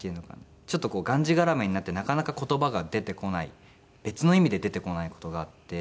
ちょっとがんじがらめになってなかなか言葉が出てこない別の意味で出てこない事があって。